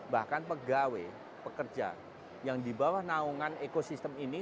bahkan pegawai pekerja yang di bawah naungan ekosistem ini